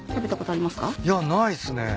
いやないっすね。